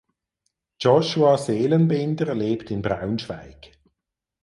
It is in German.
Joshua Seelenbinder lebt in Braunschweig.